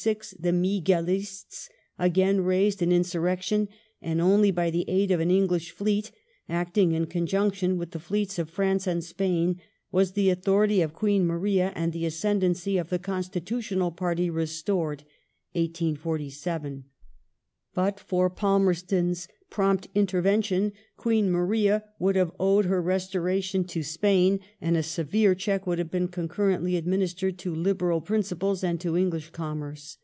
^ In May, 1846, the Miguelists again raised an insurrection, and only by the aid of an English fleet, acting in con junction with the fleets of France and Spain, was the authority of Queen Maria and the ascendancy of the Constitutional party restored (1847). But for Palmei ston's prompt intervention Queen Maria would have owed her restoration to Spain, and a severe check would have been concun ently administered to liberal principles and to English commerce.